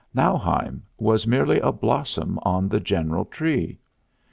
Nauheim was merely a blossom on the general tree.